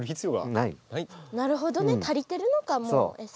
なるほどね足りてるのかもう餌。